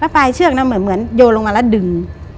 ปลายเชือกนะเหมือนโยนลงมาแล้วดึง